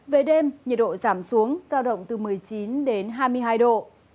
về đêm nhiệt độ giảm xuống giao động từ một mươi chín đến hai mươi hai độ